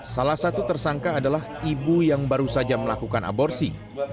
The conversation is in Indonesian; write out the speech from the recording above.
salah satu tersangka adalah ibu yang baru saja melakukan aborsi